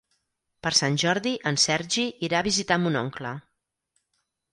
Per Sant Jordi en Sergi irà a visitar mon oncle.